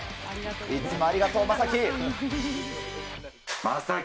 いつもありがとう、将暉。